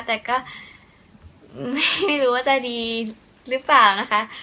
แต่ก็ไม่รู้ว่าจะดีหรือเปล่านะคะ